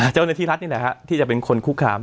เจ้าหน้าที่รัฐนี่แหละฮะที่จะเป็นคนคุกคาม